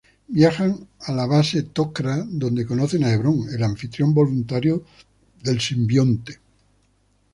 Viajan a la base Tok'ra donde conocen a Hebron, el anfitrión voluntario del simbionte.